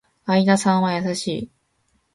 相田さんは優しい